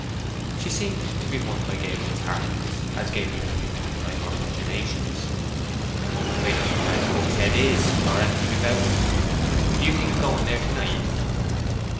She seemed to be won by Gabriel's heartiness, as Gabriel had been won by her modulations. "I don't know where the Buck's Head is, or anything about it. Do you think of going there to night?"